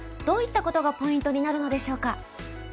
どういったことがポイントになるのでしょうか？